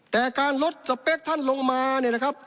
แต่การลดสเปคท่านลงมาเนี่ยนะครับ